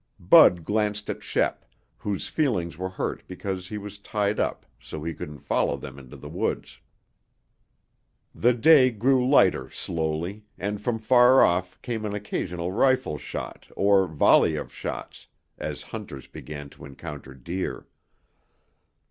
Bud glanced at Shep, whose feelings were hurt because he was tied up so he couldn't follow them into the woods. The day grew lighter slowly and from far off came an occasional rifle shot or volley of shots as hunters began to encounter deer.